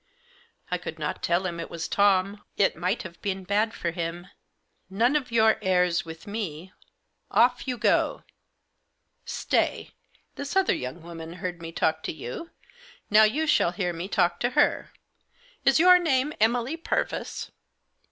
I could not tell him it was Tom ; it might have been bad for him. " None of your airs with me ; off you go. Stay ! This other young woman heard me talk 3 Digitized by 81 THE JOSS. to you ; now you shall hear me talk to her. lis your name Emily Purvis